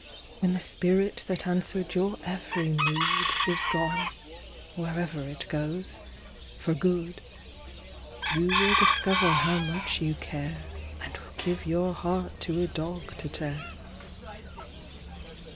When the spirit that answered your every mood Is gone wherever it goes for good, You will discover how much you care, And will give your heart to a dog to tear!